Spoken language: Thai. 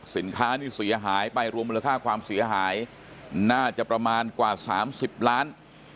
สินค้านี่เสียหายไปรวมมูลค่าความเสียหายน่าจะประมาณกว่า๓๐ล้าน